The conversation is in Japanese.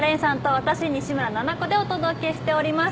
私、西村菜那子でお届けしております。